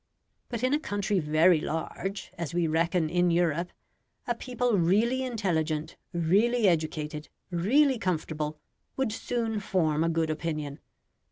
But in a country very large, as we reckon in Europe, a people really intelligent, really educated, really comfortable, would soon form a good opinion.